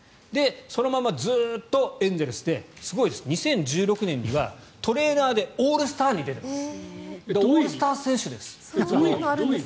そのままずっとエンゼルスですごいです２０１６年にはトレーナーでオールスターに出ています。